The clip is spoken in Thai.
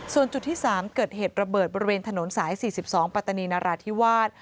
ส่วนจุดที่๓เกิดเหตุระเบิดบริเวณถนนสาย๔๒ปัตตานีนราธิวาส